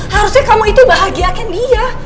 harusnya kamu itu bahagiakan dia